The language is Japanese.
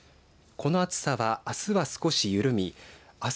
この暑さは、あすは少し緩みあす